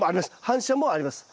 反射もあります。